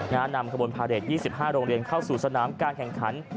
นำขบวนพาเรท๒๕โรงเรียนเข้าสู่สนามการแข่งขัน